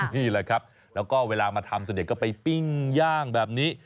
นี่แหละครับแล้วก็เวลามาทำส่วนใหญ่ก็ไปปิ้งย่างแบบนี้